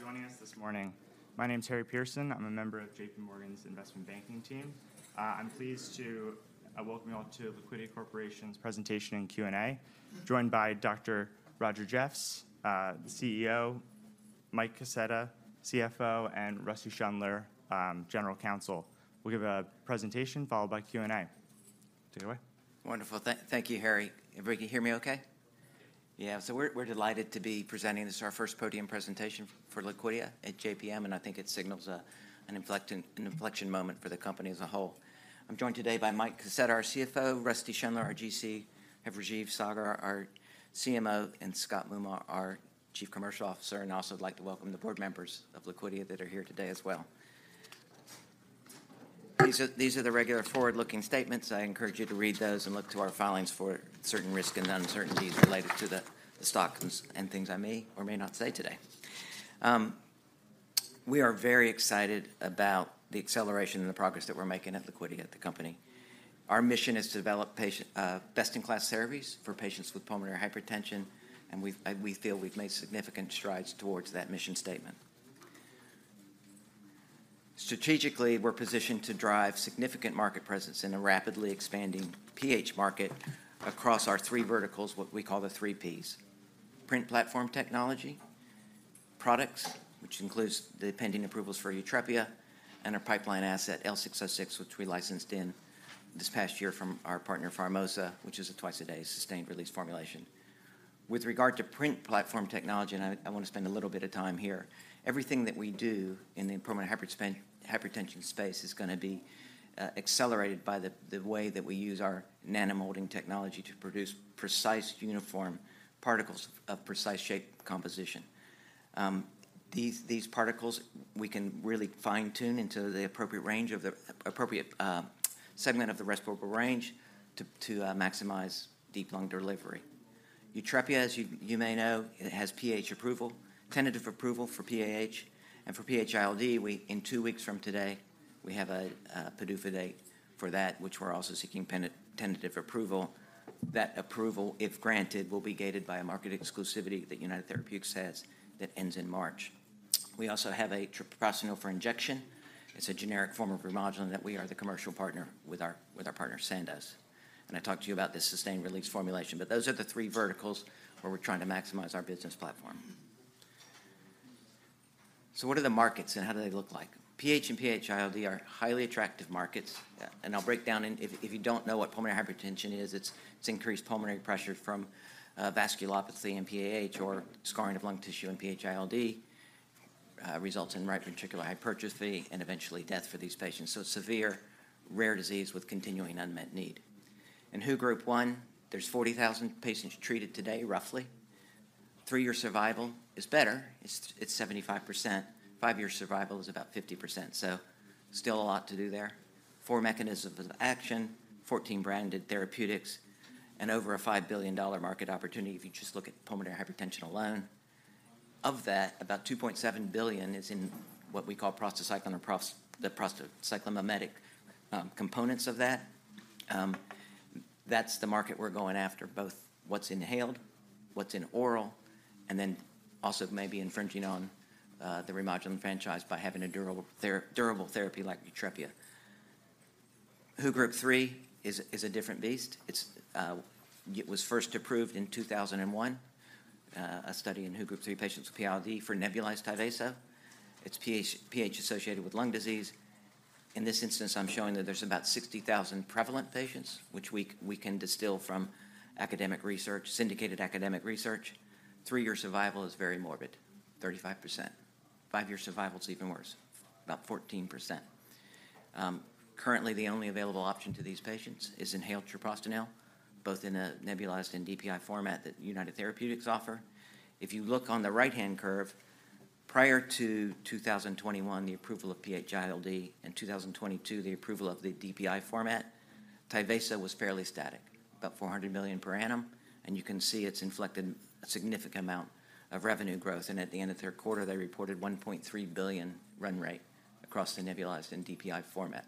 Thank you for joining us this morning. My name's Harry Pearson. I'm a member of J.P. Morgan's investment banking team. I'm pleased to welcome you all to Liquidia Corporation's presentation and Q&A, joined by Dr. Roger Jeffs, the CEO, Mike Kaseta, CFO, and Rusty Schundler, General Counsel. We'll give a presentation, followed by Q&A. Take it away. Wonderful. Thank you, Harry. Everybody can hear me okay? Yeah, so we're delighted to be presenting. This is our first podium presentation for Liquidia at JPM, and I think it signals an inflection moment for the company as a whole. I'm joined today by Mike Kaseta, our CFO, Rusty Schundler, our GC, Rajeev Saggar, our CMO, and Scott Moomaw, our Chief Commercial Officer, and I'd also like to welcome the board members of Liquidia that are here today as well. These are the regular forward-looking statements. I encourage you to read those and look to our filings for certain risks and uncertainties related to the stock and things I may or may not say today. We are very excited about the acceleration and the progress that we're making at Liquidia, at the company. Our mission is to develop patient... best-in-class therapies for patients with pulmonary hypertension, and we've- we feel we've made significant strides towards that mission statement. Strategically, we're positioned to drive significant market presence in a rapidly expanding PH market across our three verticals, what we call the three Ps: PRINT platform technology, products, which includes the pending approvals for Yutrepia and our pipeline asset, L606, which we licensed in this past year from our partner, Pharmosa, which is a twice-a-day sustained-release formulation. With regard to PRINT platform technology, and I want to spend a little bit of time here, everything that we do in the pulmonary hypertension, hypertension space is gonna be accelerated by the way that we use our nano-molding technology to produce precise, uniform particles of precise shape and composition. These particles, we can really fine-tune into the appropriate range of the appropriate segment of the respiratory range to maximize deep lung delivery. Yutrepia, as you may know, it has PH approval, tentative approval for PAH, and for PH-ILD, we, in two weeks from today, we have a PDUFA date for that, which we're also seeking tentative approval. That approval, if granted, will be gated by a market exclusivity that United Therapeutics has, that ends in March. We also have a treprostinil for injection. It's a generic form of Remodulin, that we are the commercial partner with our partner, Sandoz. And I talked to you about the sustained-release formulation, but those are the three verticals where we're trying to maximize our business platform. So what are the markets, and what do they look like? PH and PH-ILD are highly attractive markets, and I'll break down and if you don't know what pulmonary hypertension is, it's increased pulmonary pressure from vasculopathy in PAH or scarring of lung tissue in PH-ILD, results in right ventricular hypertrophy and eventually death for these patients, so a severe, rare disease with continuing unmet need. In WHO Group 1, there's 40,000 patients treated today, roughly. Three-year survival is better. It's 75%. Five-year survival is about 50%, so still a lot to do there. Four mechanisms of action, 14 branded therapeutics, and over a $5 billion market opportunity if you just look at pulmonary hypertension alone. Of that, about $2.7 billion is in what we call prostacyclin or the prostacyclin mimetic components of that. That's the market we're going after, both what's inhaled, what's in oral, and then also maybe infringing on the Remodulin franchise by having a durable therapy like Yutrepia. WHO Group 3 is a different beast. It was first approved in 2001, a study in WHO Group 3 patients with ILD for nebulized Tyvaso. It's PH associated with lung disease. In this instance, I'm showing that there's about 60,000 prevalent patients, which we can distill from academic research, syndicated academic research. Three-year survival is very morbid, 35%. Five-year survival is even worse, about 14%. Currently, the only available option to these patients is inhaled treprostinil, both in a nebulized and DPI format that United Therapeutics offer. If you look on the right-hand curve, prior to 2021, the approval of PH-ILD, in 2022, the approval of the DPI format, Tyvaso was fairly static, about $400 million per annum, and you can see it's inflected a significant amount of revenue growth, and at the end of the third quarter, they reported $1.3 billion run rate across the nebulized and DPI format.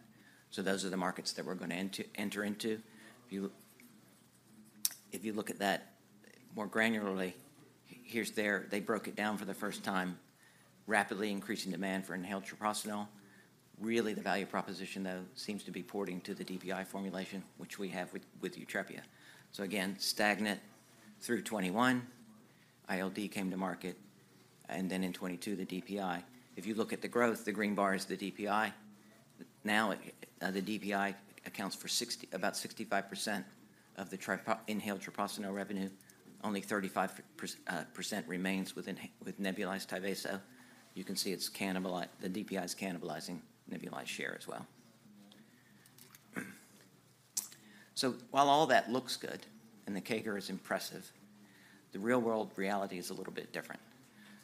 So those are the markets that we're gonna enter into. If you look at that more granularly, here's their... They broke it down for the first time, rapidly increasing demand for inhaled treprostinil. Really, the value proposition, though, seems to be porting to the DPI formulation, which we have with, with Yutrepia. So again, stagnant through 2021, ILD came to market, and then in 2022, the DPI. If you look at the growth, the green bar is the DPI. Now, the DPI accounts for about 65% of the inhaled treprostinil revenue. Only 35% remains with nebulized Tyvaso. You can see the DPI's cannibalizing nebulized share as well. So while all that looks good, and the CAGR is impressive, the real-world reality is a little bit different.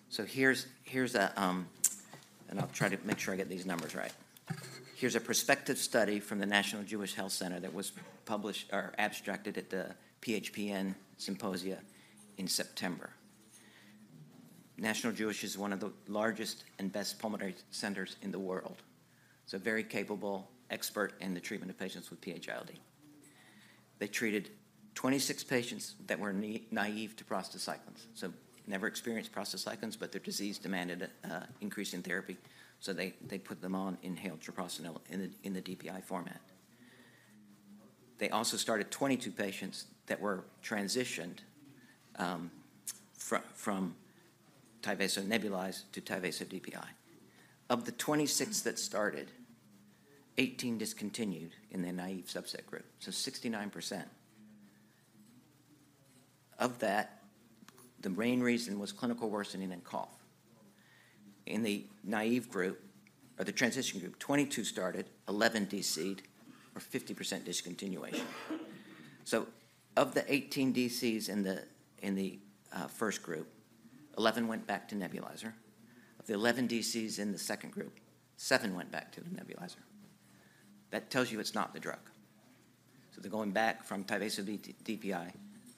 So here's a. And I'll try to make sure I get these numbers right. Here's a prospective study from the National Jewish Health that was published, or abstracted at the PHPN Symposia in September. National Jewish is one of the largest and best pulmonary centers in the world. It's a very capable expert in the treatment of patients with PH-ILD. They treated 26 patients that were naive to prostacyclins, so never experienced prostacyclins, but their disease demanded an increase in therapy, so they put them on inhaled treprostinil in the DPI format. They also started 22 patients that were transitioned from Tyvaso nebulized to Tyvaso DPI. Of the 26 that started, 18 discontinued in the naive subset group, so 69%. Of that, the main reason was clinical worsening and cough. In the naive group, or the transition group, 22 started, 11 DC'd, or 50% discontinuation. So of the 18 DCs in the first group, 11 went back to nebulizer. Of the 11 DCs in the second group, seven went back to the nebulizer. That tells you it's not the drug. So they're going back from Tyvaso DPI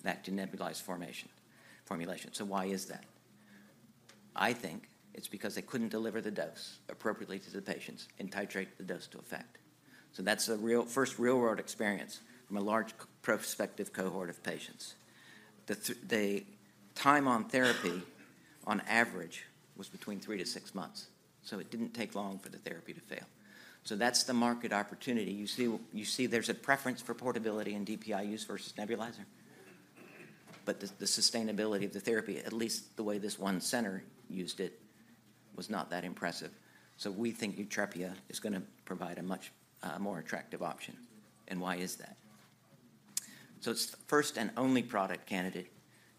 back to nebulized formulation. So why is that? I think it's because they couldn't deliver the dose appropriately to the patients and titrate the dose to effect. So that's the real first real-world experience from a large prospective cohort of patients. The time on therapy, on average, was between three to six months, so it didn't take long for the therapy to fail. So that's the market opportunity. You see, you see there's a preference for portability and DPI use versus nebulizer, but the sustainability of the therapy, at least the way this one center used it, was not that impressive. So we think Yutrepia is gonna provide a much more attractive option. And why is that? So it's the first and only product candidate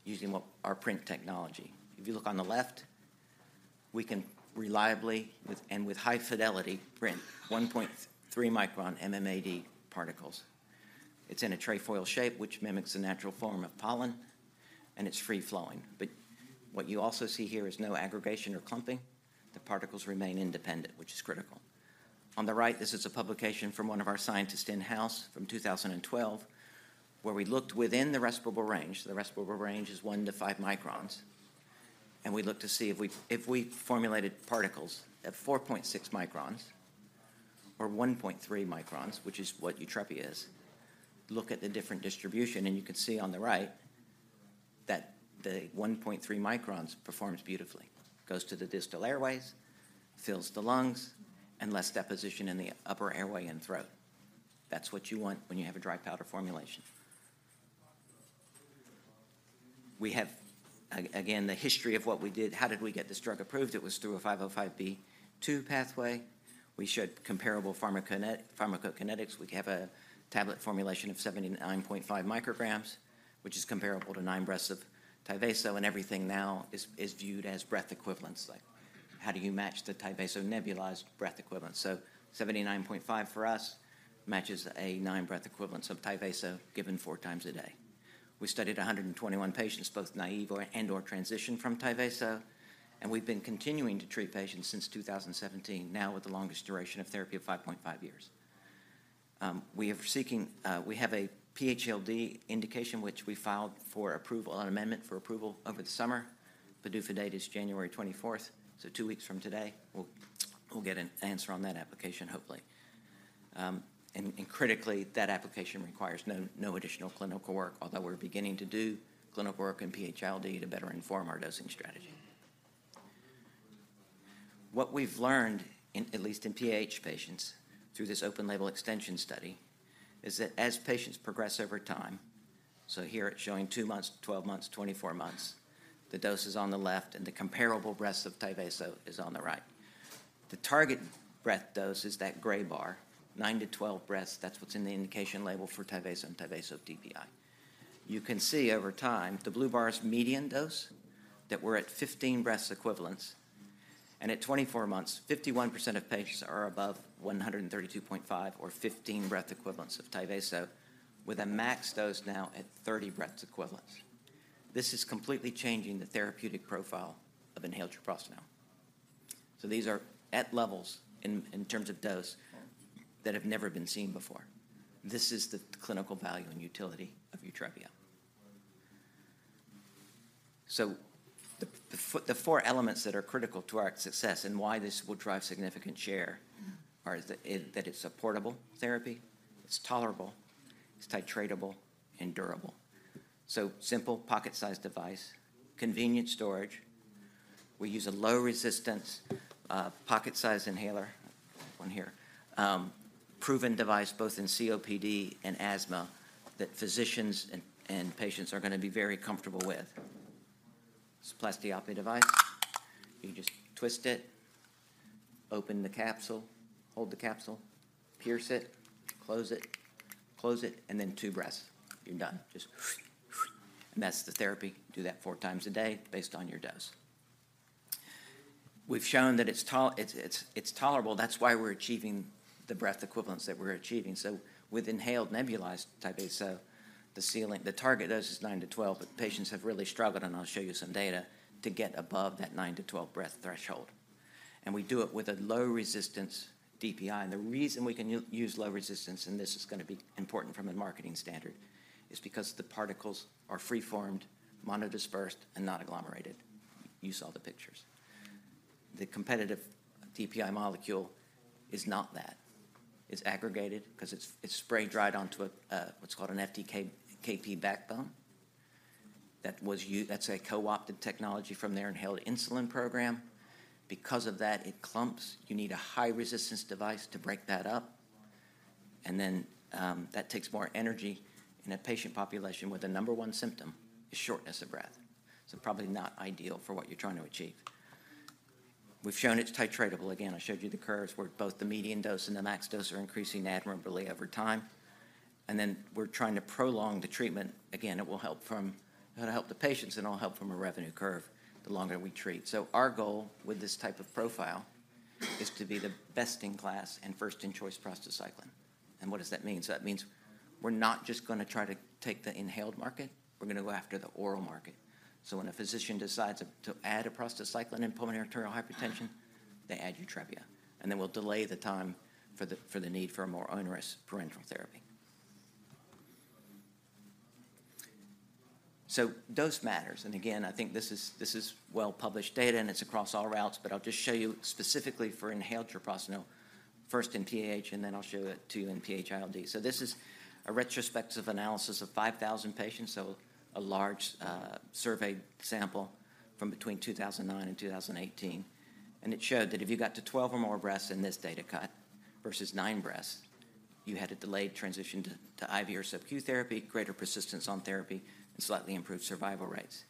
using our PRINT technology. If you look on the left, we can reliably with high fidelity PRINT 1.3-micron MMAD particles. It's in a trefoil shape, which mimics the natural form of pollen, and it's free flowing. But what you also see here is no aggregation or clumping. The particles remain independent, which is critical. On the right, this is a publication from one of our scientists in-house from 2012, where we looked within the respirable range, the respirable range is 1 to 5 microns, and we looked to see if we formulated particles at 4.6 microns or 1.3 microns, which is what Yutrepia is. Look at the different distribution, and you can see on the right that the 1.3 microns performs beautifully. It goes to the distal airways, fills the lungs, and less deposition in the upper airway and throat. That's what you want when you have a dry powder formulation. We have, again, the history of what we did. How did we get this drug approved? It was through a 505(b)(2) pathway. We showed comparable pharmacokinetics. We have a tablet formulation of 79.5 micrograms, which is comparable to nine breaths of Tyvaso, and everything now is, is viewed as breath equivalents. Like, how do you match the Tyvaso nebulized breath equivalent? So 79.5 for us matches a nine breath equivalent of Tyvaso given four times a day. We studied 121 patients, both naive or, and/or transitioned from Tyvaso, and we've been continuing to treat patients since 2017, now with the longest duration of therapy of 5.5 years. We are seeking we have a PH-ILD indication, which we filed for approval, an amendment for approval over the summer. The due date is January 24th, so two weeks from today, we'll get an answer on that application, hopefully. And critically, that application requires no additional clinical work, although we're beginning to do clinical work in PH-ILD to better inform our dosing strategy. What we've learned, at least in PH patients, through this open label extension study, is that as patients progress over time, so here it's showing two months, 12 months, 24 months, the dose is on the left, and the comparable breaths of Tyvaso is on the right. The target breath dose is that gray bar, nine to 12 breaths. That's what's in the indication label for Tyvaso and Tyvaso DPI. You can see over time, the blue bar is median dose, that we're at 15 breath equivalents, and at 24 months, 51% of patients are above 132.5 or 15 breath equivalents of Tyvaso, with a max dose now at 30 breath equivalents. This is completely changing the therapeutic profile of inhaled treprostinil. So these are at levels in terms of dose, that have never been seen before. This is the clinical value and utility of Yutrepia. So the four elements that are critical to our success and why this will drive significant share are that it's a portable therapy, it's tolerable, it's titratable, and durable. So simple, pocket-sized device, convenient storage. We use a low-resistance, pocket-sized inhaler, one here, proven device both in COPD and asthma, that physicians and, and patients are gonna be very comfortable with. It's a Plastiape device. You just twist it, open the capsule, hold the capsule, pierce it, close it, close it, and then two breaths. You're done. Just and that's the therapy. Do that four times a day based on your dose. We've shown that it's tolerable. That's why we're achieving the breath equivalents that we're achieving. So with inhaled nebulized Tyvaso, the ceiling, the target dose is nine to 12, but patients have really struggled, and I'll show you some data, to get above that nine to 12 breath threshold. And we do it with a low-resistance DPI, and the reason we can use low resistance, and this is gonna be important from a marketing standard, is because the particles are free-formed, monodispersed, and not agglomerated. You saw the pictures. The competitive DPI molecule is not that. It's aggregated 'cause it's spray-dried onto a what's called an FDKP backbone. That's a co-opted technology from their inhaled insulin program. Because of that, it clumps. You need a high-resistance device to break that up, and then, that takes more energy in a patient population where the number one symptom is shortness of breath. So probably not ideal for what you're trying to achieve. We've shown it's titratable. Again, I showed you the curves where both the median dose and the max dose are increasing admirably over time, and then we're trying to prolong the treatment. Again, it'll help the patients, and it'll help from a revenue curve the longer we treat. So our goal with this type of profile is to be the best-in-class and first-in-choice prostacyclin. And what does that mean? So that means we're not just gonna try to take the inhaled market. We're gonna go after the oral market. So when a physician decides to add a prostacyclin in pulmonary arterial hypertension, they add Yutrepia, and then we'll delay the time for the need for a more onerous parenteral therapy. So dose matters, and again, I think this is well-published data, and it's across all routes, but I'll just show you specifically for inhaled treprostinil, first in PAH, and then I'll show it to you in PH-ILD. So this is a retrospective analysis of 5,000 patients, so a large survey sample from between 2009 and 2018. And it showed that if you got to 12 or more breaths in this data cut versus 9 breaths, you had a delayed transition to IV or sub-Q therapy, greater persistence on therapy, and slightly improved survival rates.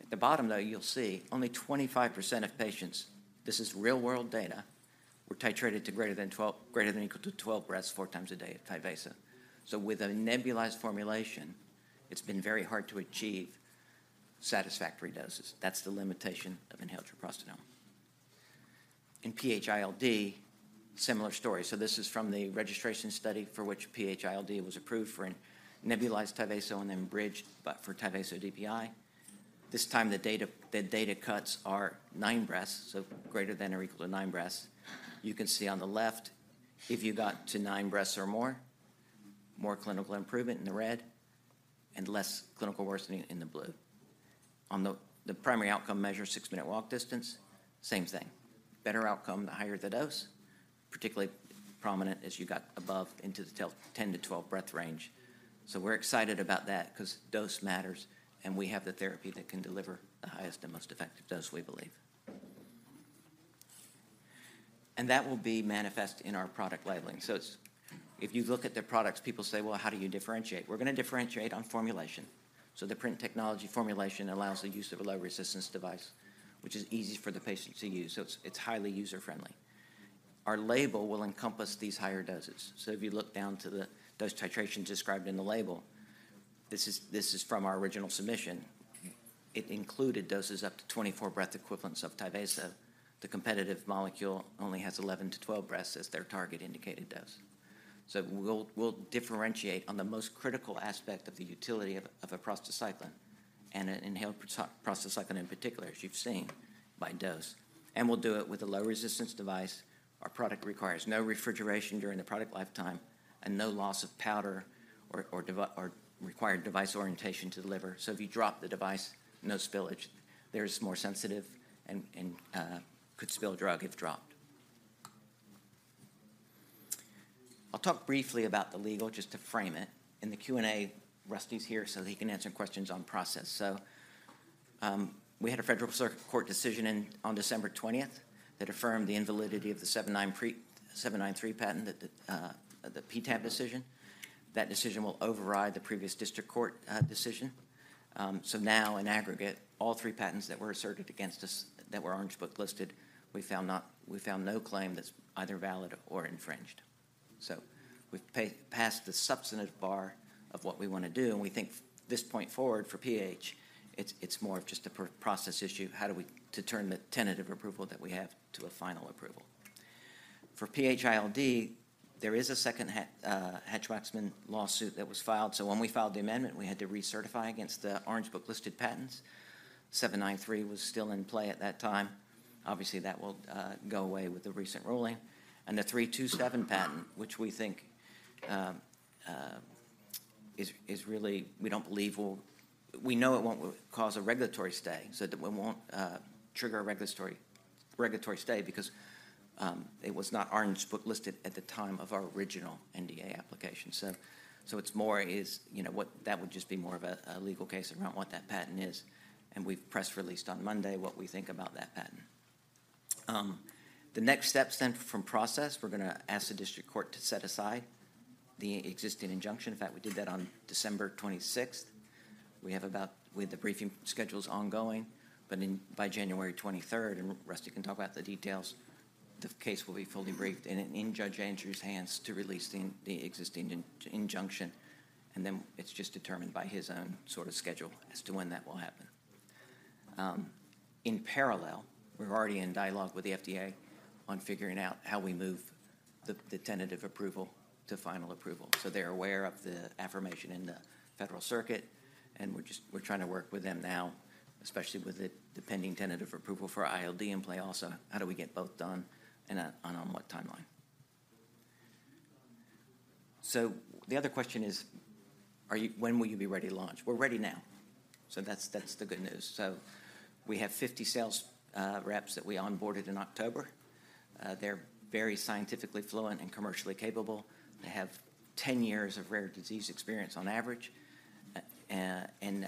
At the bottom, though, you'll see only 25% of patients, this is real-world data, were titrated to greater than twelve, greater than or equal to 12 breaths four times a day of Tyvaso. So with a nebulized formulation, it's been very hard to achieve satisfactory doses. That's the limitation of inhaled treprostinil. In PH-ILD, similar story. So this is from the registration study for which PH-ILD was approved for in nebulized Tyvaso and then bridged, but for Tyvaso DPI. This time, the data, the data cuts are nine breaths, so greater than or equal to nine breaths. You can see on the left, if you got to nine breaths or more, more clinical improvement in the red and less clinical worsening in the blue. On the, the primary outcome measure, six-minute walk distance, same thing. Better outcome, the higher the dose, particularly prominent as you got above into the 10-12 breath range. So we're excited about that 'cause dose matters, and we have the therapy that can deliver the highest and most effective dose, we believe. And that will be manifest in our product labeling. So it's... If you look at the products, people say, "Well, how do you differentiate?" We're gonna differentiate on formulation. So the PRINT technology formulation allows the use of a low-resistance device, which is easy for the patient to use, so it's highly user-friendly. Our label will encompass these higher doses. So if you look down to the dose titration described in the label, this is from our original submission. It included doses up to 24 breath equivalents of Tyvaso. The competitive molecule only has 11-12 breaths as their target indicated dose. So we'll differentiate on the most critical aspect of the utility of a prostacyclin and an inhaled prostacyclin, in particular, as you've seen, by dose, and we'll do it with a low-resistance device. Our product requires no refrigeration during the product lifetime and no loss of powder or required device orientation to deliver. So if you drop the device, no spillage. Theirs is more sensitive and could spill drug if dropped. I'll talk briefly about the legal, just to frame it. In the Q&A, Rusty's here, so he can answer questions on process. So we had a Federal Circuit Court decision in, on December 20th that affirmed the invalidity of the 793, 793 patent, that the the PTAB decision. That decision will override the previous district court decision. So now, in aggregate, all three patents that were asserted against us, that were Orange Book-listed, we found not-- we found no claim that's either valid or infringed. So we've passed the substantive bar of what we wanna do, and we think from this point forward, for PH, it's more of just a process issue. How do we to turn the tentative approval that we have to a final approval? For PH-ILD, there is a second Hatch-Waxman lawsuit that was filed. So when we filed the amendment, we had to recertify against the Orange Book-listed patents. 793 was still in play at that time. Obviously, that will go away with the recent ruling. And the 327 patent, which we think is really. We don't believe will. We know it won't cause a regulatory stay, so it won't trigger a regulatory stay because it was not Orange Book-listed at the time of our original NDA application. So it's more, you know what, that would just be more of a legal case around what that patent is, and we've press released on Monday what we think about that patent. The next steps then from process, we're gonna ask the district court to set aside the existing injunction. In fact, we did that on December twenty-sixth. We have the briefing schedules ongoing, but by January twenty-third, and Rusty can talk about the details, the case will be fully briefed and in Judge Andrews's hands to release the existing injunction, and then it's just determined by his own sort of schedule as to when that will happen. In parallel, we're already in dialogue with the FDA on figuring out how we move the tentative approval to final approval. So they're aware of the affirmation in the Federal Circuit, and we're just trying to work with them now, especially with the pending tentative approval for ILD in play also. How do we get both done, and on what timeline? So the other question is, when will you be ready to launch? We're ready now, so that's the good news. So we have 50 sales reps that we onboarded in October. They're very scientifically fluent and commercially capable. They have 10 years of rare disease experience on average, and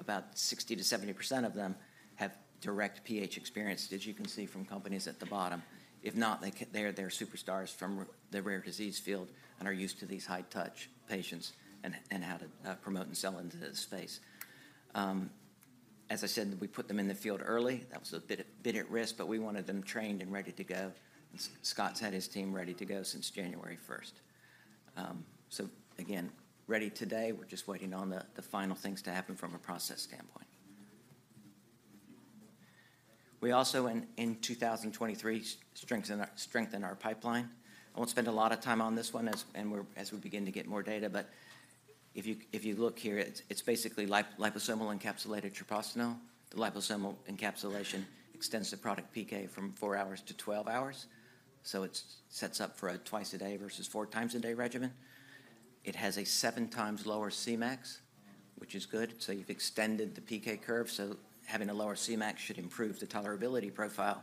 about 60%-70% of them have direct PH experience, as you can see from companies at the bottom. If not, they're superstars from the rare disease field and are used to these high-touch patients and how to promote and sell into this space. As I said, we put them in the field early. That was a bit at risk, but we wanted them trained and ready to go, and Scott's had his team ready to go since January 1st. So again, ready today, we're just waiting on the final things to happen from a process standpoint. We also, in 2023, strengthened our pipeline. I won't spend a lot of time on this one as we begin to get more data, but if you look here, it's basically liposomal encapsulated treprostinil. The liposomal encapsulation extends the product PK from four hours to 12 hours, so it sets up for a twice-a-day versus four-times-a-day regimen. It has a seven times lower Cmax, which is good, so you've extended the PK curve, so having a lower Cmax should improve the tolerability profile,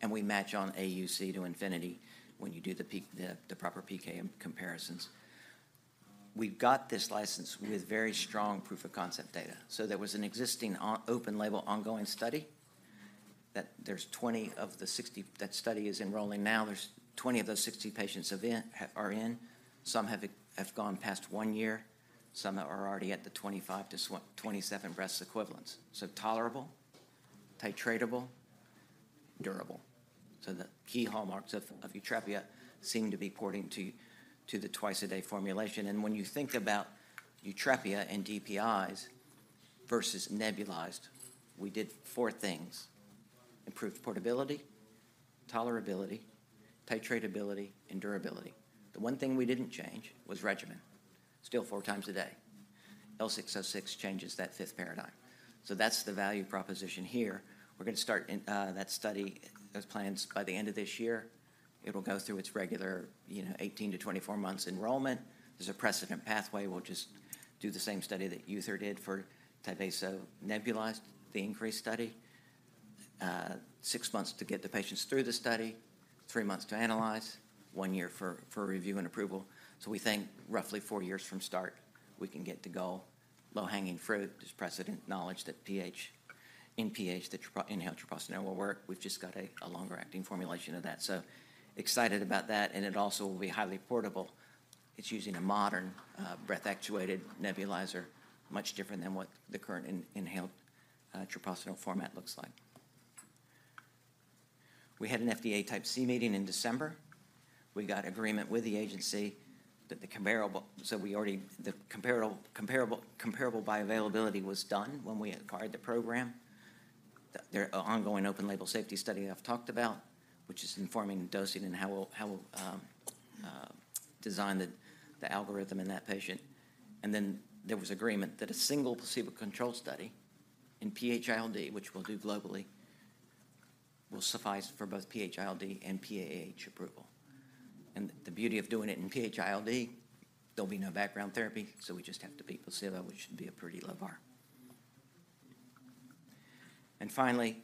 and we match on AUC to infinity when you do the proper PK comparisons. We've got this license with very strong proof of concept data. So there was an existing open-label, ongoing study that there's 20 of the 60... That study is enrolling now. There's 20 of those 60 patients are in. Some have gone past one year, some are already at the 25-27 breath equivalents. So tolerable, titratable, durable. So the key hallmarks of Yutrepia seem to be porting to the twice-a-day formulation, and when you think about Yutrepia and DPIs versus nebulized, we did four things: improved portability, tolerability, titratability, and durability. The one thing we didn't change was regimen. Still four times a day. L606 changes that fifth paradigm, so that's the value proposition here. We're gonna start in that study, those plans by the end of this year. It'll go through its regular, you know, 18-24 months enrollment. There's a precedent pathway. We'll just do the same study that United did for Tyvaso nebulized, the INCREASE study. Six months to get the patients through the study, three months to analyze, one year for review and approval. So we think roughly four years from start, we can get to goal. Low-hanging fruit, there's precedent knowledge that PH, in PH, that inhaled treprostinil will work. We've just got a longer-acting formulation of that. So excited about that, and it also will be highly portable. It's using a modern, breath-actuated nebulizer, much different than what the current inhaled treprostinil format looks like. We had an FDA Type C meeting in December. We got agreement with the agency that the comparability bioavailability was done when we acquired the program. There are ongoing open-label safety study I've talked about, which is informing dosing and how we'll design the algorithm in that patient. And then there was agreement that a single placebo-controlled study in PH-ILD, which we'll do globally, will suffice for both PH-ILD and PAH approval. And the beauty of doing it in PH-ILD, there'll be no background therapy, so we just have to beat placebo, which should be a pretty low bar. And finally,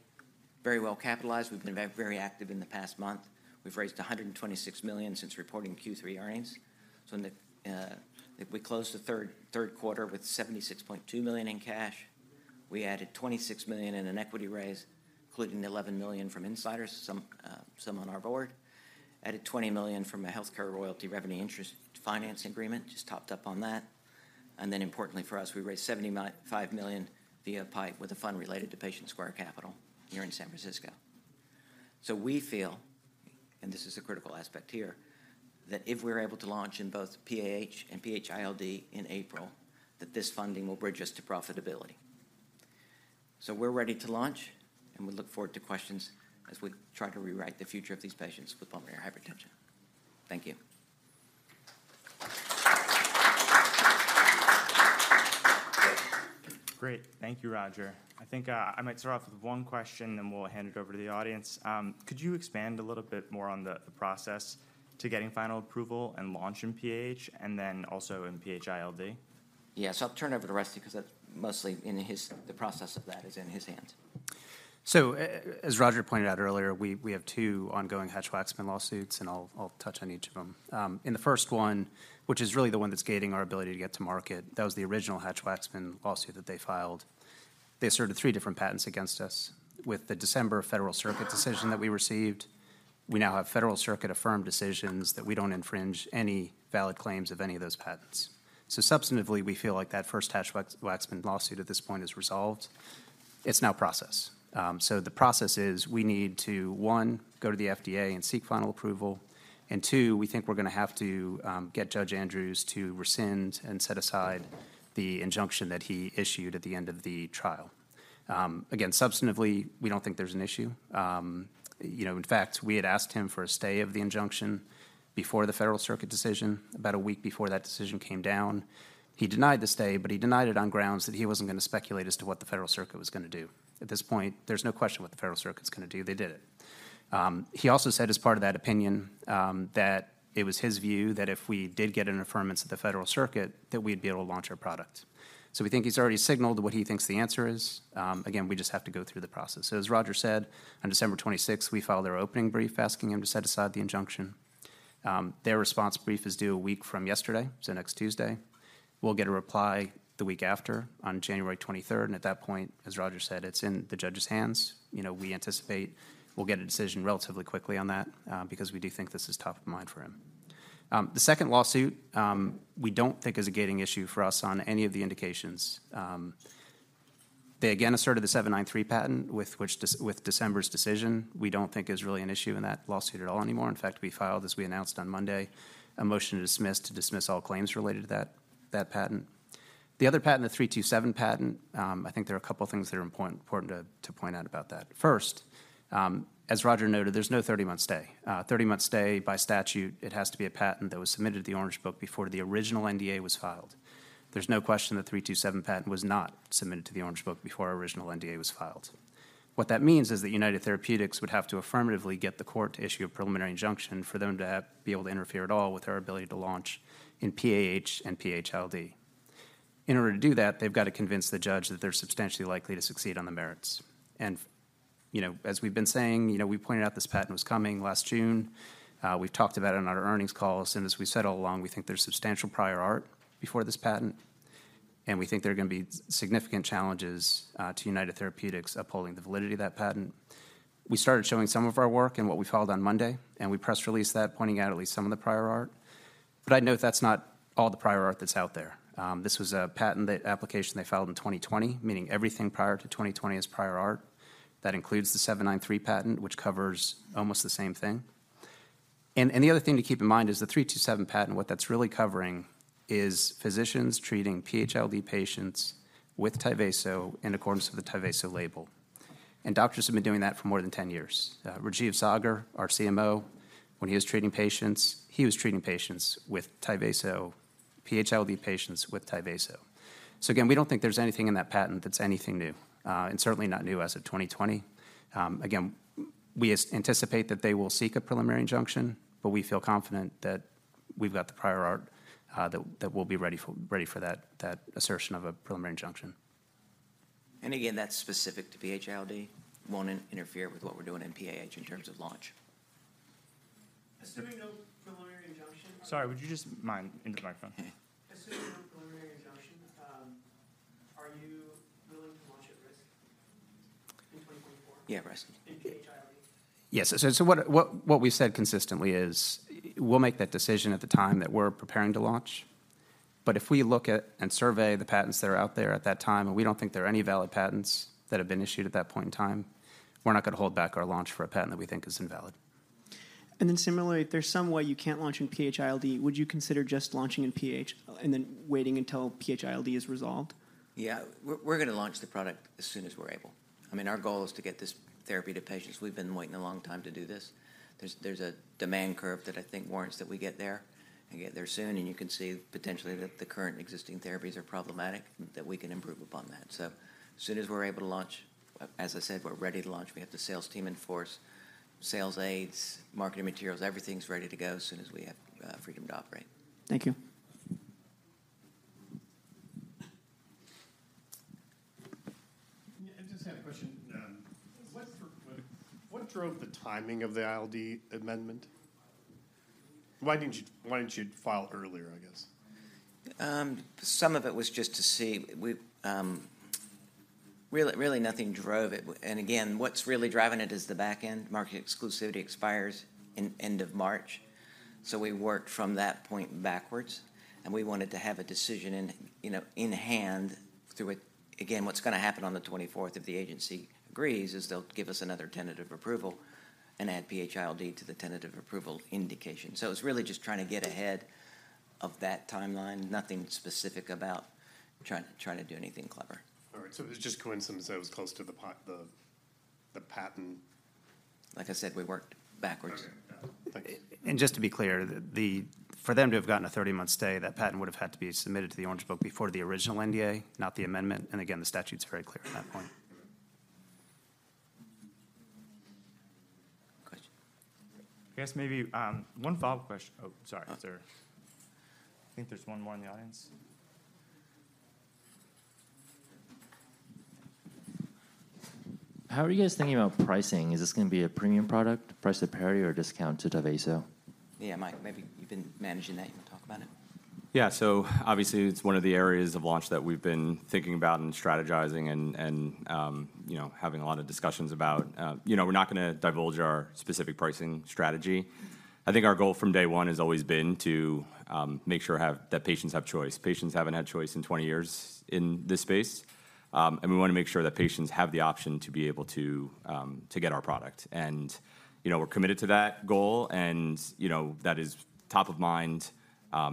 very well capitalized. We've been very active in the past month. We've raised $126 million since reporting Q3 earnings. So in the, if we close the third quarter with $76.2 million in cash, we added $26 million in an equity raise, including $11 million from insiders, some on our board. Added $20 million from a HealthCare Royalty revenue interest finance agreement, just topped up on that. And then importantly for us, we raised $75 million via PIPE with a fund related to Patient Square Capital here in San Francisco. So we feel, and this is a critical aspect here, that if we're able to launch in both PAH and PH-ILD in April, that this funding will bridge us to profitability. So we're ready to launch, and we look forward to questions as we try to rewrite the future of these patients with pulmonary hypertension. Thank you. Great. Thank you, Roger. I think, I might start off with one question, then we'll hand it over to the audience. Could you expand a little bit more on the, the process to getting final approval and launch in PAH and then also in PH-ILD? Yeah, so I'll turn it over to Rusty, because that's mostly in his... the process of that is in his hands. So as Roger pointed out earlier, we have two ongoing Hatch-Waxman lawsuits, and I'll touch on each of them. In the first one, which is really the one that's gating our ability to get to market, that was the original Hatch-Waxman lawsuit that they filed. They asserted three different patents against us. With the December Federal Circuit decision that we received, we now have Federal Circuit affirmed decisions that we don't infringe any valid claims of any of those patents. So substantively, we feel like that first Hatch-Waxman lawsuit at this point is resolved. It's now process. So the process is, we need to, one, go to the FDA and seek final approval, and two, we think we're gonna have to get Judge Andrews to rescind and set aside the injunction that he issued at the end of the trial. Again, substantively, we don't think there's an issue. You know, in fact, we had asked him for a stay of the injunction before the Federal Circuit decision, about a week before that decision came down. He denied the stay, but he denied it on grounds that he wasn't gonna speculate as to what the Federal Circuit was gonna do. At this point, there's no question what the Federal Circuit's gonna do. They did it. He also said, as part of that opinion, that it was his view that if we did get an affirmance at the Federal Circuit, that we'd be able to launch our product. So we think he's already signaled what he thinks the answer is. Again, we just have to go through the process. So as Roger said, on December 26th, we filed our opening brief, asking him to set aside the injunction. Their response brief is due a week from yesterday, so next Tuesday. We'll get a reply the week after, on January 23rd, and at that point, as Roger said, it's in the judge's hands. You know, we anticipate we'll get a decision relatively quickly on that, because we do think this is top of mind for him. The second lawsuit, we don't think is a gating issue for us on any of the indications. They again asserted the 793 patent, with which December's decision, we don't think is really an issue in that lawsuit at all anymore. In fact, we filed, as we announced on Monday, a motion to dismiss, to dismiss all claims related to that, that patent. The other patent, the 327 patent, I think there are a couple things that are important to point out about that. First, as Roger noted, there's no 30-month stay. A 30-month stay, by statute, it has to be a patent that was submitted to the Orange Book before the original NDA was filed. There's no question the 327 patent was not submitted to the Orange Book before our original NDA was filed. What that means is that United Therapeutics would have to affirmatively get the court to issue a preliminary injunction for them to have to be able to interfere at all with our ability to launch in PAH and PHLD. In order to do that, they've got to convince the judge that they're substantially likely to succeed on the merits. You know, as we've been saying, you know, we pointed out this patent was coming last June. We've talked about it on our earnings call. As we've said all along, we think there's substantial prior art before this patent, and we think there are gonna be significant challenges to United Therapeutics upholding the validity of that patent. We started showing some of our work in what we filed on Monday, and we press-released that, pointing out at least some of the prior art. But I'd note that's not all the prior art that's out there. This was a patent that application they filed in 2020, meaning everything prior to 2020 is prior art. That includes the 793 patent, which covers almost the same thing. The other thing to keep in mind is the 327 patent, what that's really covering is physicians treating PH-ILD patients with Tyvaso in accordance with the Tyvaso label, and doctors have been doing that for more than 10 years. Rajeev Saggar, our CMO, when he was treating patients, he was treating patients with Tyvaso, PH-ILD patients with Tyvaso. So again, we don't think there's anything in that patent that's anything new, and certainly not new as of 2020. We anticipate that they will seek a preliminary injunction, but we feel confident that we've got the prior art, that we'll be ready for, ready for that assertion of a preliminary injunction. And again, that's specific to PH-ILD, won't interfere with what we're doing in PAH in terms of launch. Assuming no preliminary injunction. Sorry, would you just mind in the microphone? Assuming no preliminary injunction, are you willing to launch at risk in 2024? Yeah, at risk. In PHLD? Yes. So what we've said consistently is we'll make that decision at the time that we're preparing to launch. But if we look at and survey the patents that are out there at that time, and we don't think there are any valid patents that have been issued at that point in time, we're not gonna hold back our launch for a patent that we think is invalid. And then similarly, if there's some way you can't launch in PH-ILD, would you consider just launching in PH and then waiting until PH-ILD is resolved? Yeah. We're gonna launch the product as soon as we're able. I mean, our goal is to get this therapy to patients. We've been waiting a long time to do this. There's a demand curve that I think warrants that we get there and get there soon, and you can see potentially that the current existing therapies are problematic, and that we can improve upon that. So as soon as we're able to launch, as I said, we're ready to launch. We have the sales team in force, sales aids, marketing materials, everything's ready to go as soon as we have freedom to operate. Thank you. Yeah, I just had a question. What drove the, what drove the timing of the ILD amendment? Why didn't you, why didn't you file earlier, I guess? Some of it was just to see. Really, nothing drove it. And again, what's really driving it is the back end. Market exclusivity expires at the end of March, so we worked from that point backwards, and we wanted to have a decision in, you know, in hand through it. Again, what's gonna happen on the 24th, if the agency agrees, is they'll give us another tentative approval and add PH-ILD to the tentative approval indication. So it's really just trying to get ahead of that timeline, nothing specific about trying to do anything clever. All right, so it was just coincidence that it was close to the PAH, the patent? Like I said, we worked backwards. Okay. Yeah. Thank you. Just to be clear, for them to have gotten a 30-month stay, that patent would've had to be submitted to the Orange Book before the original NDA, not the amendment, and again, the statute's very clear on that point. Question? I guess maybe one follow-up question. Oh, sorry, is there? I think there's one more in the audience. How are you guys thinking about pricing? Is this gonna be a premium product, priced at parity or a discount to Tyvaso? Yeah, Mike, maybe you've been managing that. You want to talk about it? Yeah, so obviously, it's one of the areas of launch that we've been thinking about and strategizing and, you know, having a lot of discussions about. You know, we're not gonna divulge our specific pricing strategy. I think our goal from day one has always been to make sure that patients have choice. Patients haven't had choice in 20 years in this space, and we wanna make sure that patients have the option to be able to get our product. And, you know, we're committed to that goal, and, you know, that is top of mind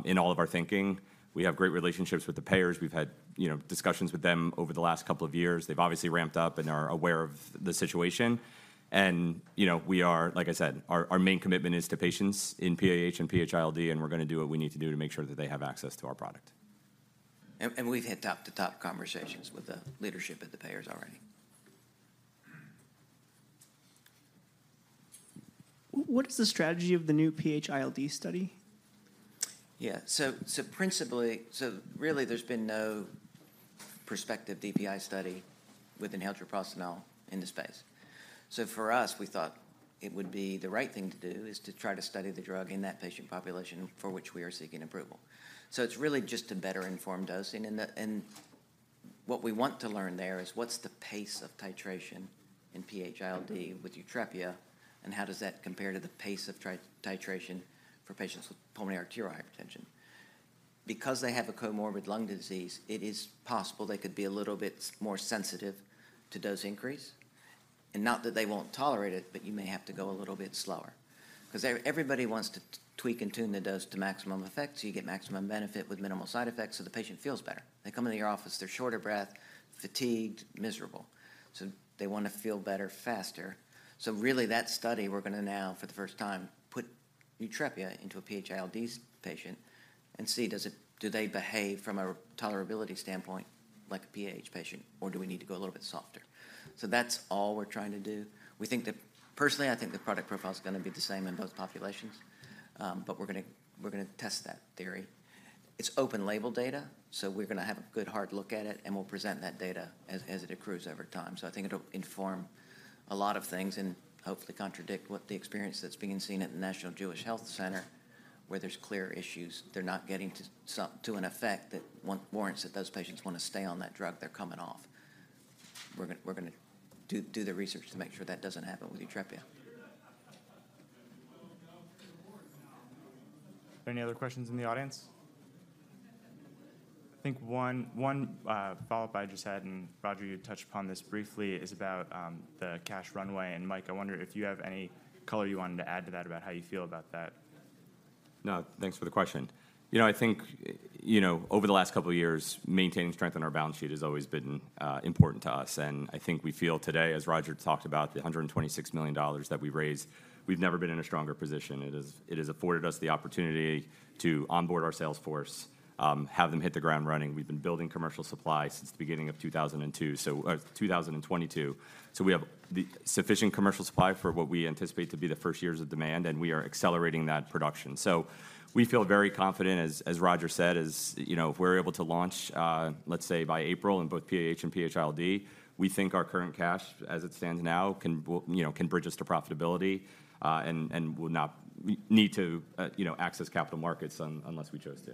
in all of our thinking. We have great relationships with the payers. We've had, you know, discussions with them over the last couple of years. They've obviously ramped up and are aware of the situation. You know, we are, like I said, our main commitment is to patients in PAH and PHILD, and we're gonna do what we need to do to make sure that they have access to our product. We've had top-to-top conversations with the leadership at the payers already. What is the strategy of the new PH-ILD study? Yeah, so principally. So really, there's been no prospective DPI study with inhaled treprostinil in this space. So for us, we thought it would be the right thing to do, is to try to study the drug in that patient population for which we are seeking approval. So it's really just to better inform dosing. And the, and what we want to learn there is, what's the pace of titration in PH-ILD with Yutrepia, and how does that compare to the pace of titration for patients with pulmonary arterial hypertension? Because they have a comorbid lung disease, it is possible they could be a little bit more sensitive to dose increase. And not that they won't tolerate it, but you may have to go a little bit slower. Cause everybody wants to tweak and tune the dose to maximum effect, so you get maximum benefit with minimal side effects, so the patient feels better. They come into your office, they're short of breath, fatigued, miserable, so they wanna feel better faster. So really, that study, we're gonna now, for the first time, put Yutrepia into a PH-ILD patient and see, do they behave from a tolerability standpoint like a PAH patient, or do we need to go a little bit softer? So that's all we're trying to do. We think that... Personally, I think the product profile's gonna be the same in both populations, but we're gonna, we're gonna test that theory. It's open-label data, so we're gonna have a good, hard look at it, and we'll present that data as it accrues over time. So I think it'll inform a lot of things and hopefully contradict what the experience that's being seen at the National Jewish Health, where there's clear issues. They're not getting to an effect that warrants that those patients wanna stay on that drug. They're coming off. We're gonna do the research to make sure that doesn't happen with Yutrepia. Any other questions in the audience? I think one follow-up I just had, and Roger, you touched upon this briefly, is about the cash runway. Mike, I wonder if you have any color you wanted to add to that, about how you feel about that. No, thanks for the question. You know, I think, you know, over the last couple of years, maintaining strength on our balance sheet has always been important to us. And I think we feel today, as Roger talked about, the $126 million that we raised, we've never been in a stronger position. It has afforded us the opportunity to onboard our sales force, have them hit the ground running. We've been building commercial supply since the beginning of 2022. So we have the sufficient commercial supply for what we anticipate to be the first years of demand, and we are accelerating that production. So we feel very confident, as Roger said, you know... If we're able to launch, let's say, by April in both PAH and PHILD, we think our current cash, as it stands now, can, you know, bridge us to profitability, and we'll not need to, you know, access capital markets unless we chose to.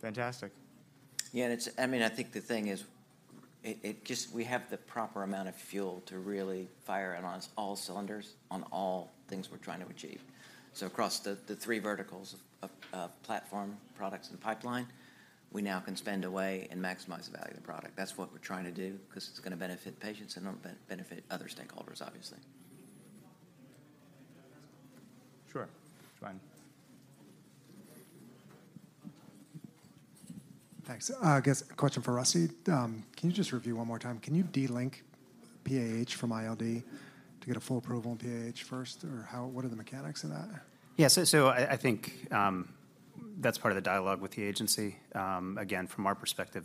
Fantastic. Yeah, and it's—I mean, I think the thing is, it just... We have the proper amount of fuel to really fire on all cylinders, on all things we're trying to achieve. So across the three verticals of platform, products, and pipeline, we now can spend away and maximize the value of the product. That's what we're trying to do, 'cause it's gonna benefit patients and benefit other stakeholders, obviously. Sure, Ryan. Thanks. I guess a question for Rusty. Can you just review one more time? Can you de-link PAH from ILD to get a full approval on PAH first, or what are the mechanics of that? Yes, so I think that's part of the dialogue with the agency. Again, from our perspective,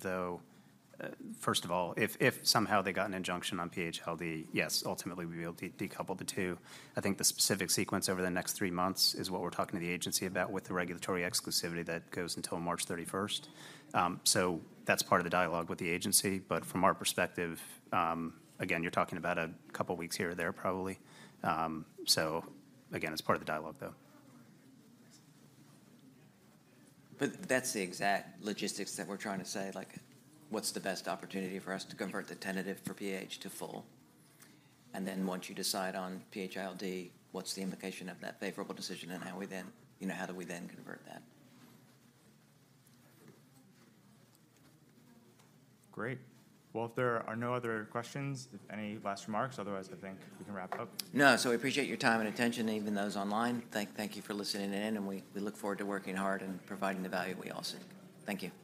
though, first of all, if somehow they got an injunction on PHILD, yes, ultimately we'll be able to decouple the two. I think the specific sequence over the next three months is what we're talking to the agency about with the regulatory exclusivity that goes until March 31st. So that's part of the dialogue with the agency. But from our perspective, again, you're talking about a couple weeks here or there, probably. So again, it's part of the dialogue, though. But that's the exact logistics that we're trying to say, like, what's the best opportunity for us to convert the tentative for PAH to full? And then once you decide on PH-ILD, what's the implication of that favorable decision, and how we then, you know, how do we then convert that? Great. Well, if there are no other questions, any last remarks? Otherwise, I think we can wrap up. No, so we appreciate your time and attention, even those online. Thank you for listening in, and we look forward to working hard and providing the value we all seek. Thank you.